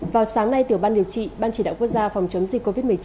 vào sáng nay tiểu ban điều trị ban chỉ đạo quốc gia phòng chống dịch covid một mươi chín